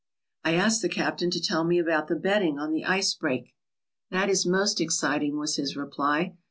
I asked the captain to tell me about the betting on the ice break. "That is most exciting/' was his reply.